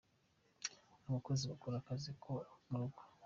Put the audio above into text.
Abakozi bakora akazi ko mu rugo.